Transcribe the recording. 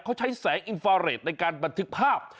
เขาใช้แสงอินฟาเรทในการบันทึกภาพ